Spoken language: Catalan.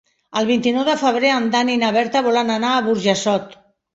El vint-i-nou de febrer en Dan i na Berta volen anar a Burjassot.